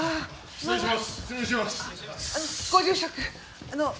失礼します。